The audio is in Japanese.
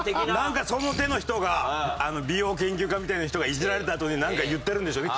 なんかその手の人が美容研究家みたいな人がイジられたあとになんか言ってるんでしょうね